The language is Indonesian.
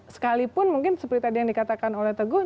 sekalipun mungkin seperti tadi yang dikatakan oleh teguh